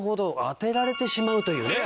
当てられてしまうというね。